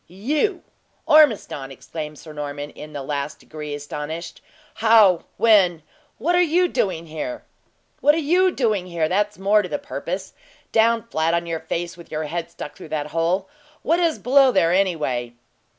"You, Ormiston!" exclaimed Sir Norman, in the last degree astonished. "How when what are you doing here?" "What are you doing here? that's more to the purpose. Down flat on your face, with your head stuck through that hole. What is below there, anyway?"